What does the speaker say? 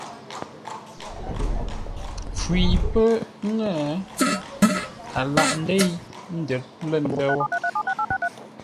Mpfu yi pə́ ŋə́, a lâghʼ ńdéi ńdə̌r lə̂ ndə̂ wə̂.